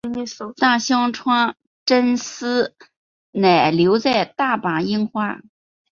但香川真司仍留在大阪樱花。